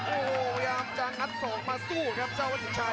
โอ้โหพยายามจะงัดศอกมาสู้ครับเจ้าวัดสินชัย